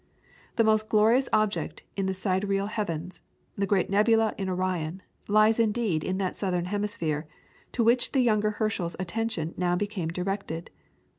The most glorious object in the sidereal heavens, the Great Nebula in Orion, lies indeed in that southern hemisphere to which the younger Herschel's attention now became directed.